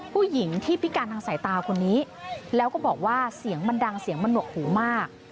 ผู้หญิงที่พิการทางสายตาคนนี้แล้วก็บอกว่าเสียงมันดังเสียงมันหนวกหูมาก